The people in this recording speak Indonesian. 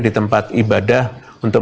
di tempat ibadah untuk